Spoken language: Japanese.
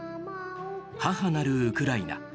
「母なるウクライナ」。